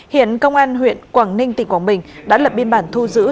hiện công an huyện quảng ninh tỉnh quảng bình đã lập biên bản thu giữ